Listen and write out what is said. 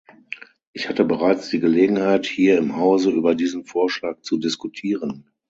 Ich hatte bereits die Gelegenheit, hier im Hause über diesen Vorschlag zu diskutieren.